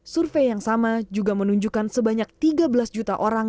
survei yang sama juga menunjukkan sebanyak tiga belas juta orang